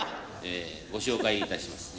ご紹介いたします